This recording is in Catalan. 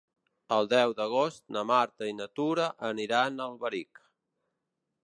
El deu d'agost na Marta i na Tura aniran a Alberic.